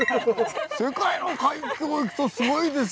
⁉世界の海峡いくとすごいですよ。